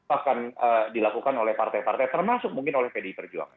akan dilakukan oleh partai partai termasuk mungkin oleh pdi perjuangan